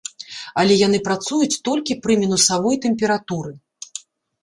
Але яны працуюць толькі пры мінусавой тэмпературы.